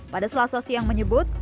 pada selasa siang menyebut